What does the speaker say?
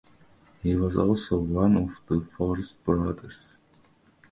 He was also one of the Forest Brothers.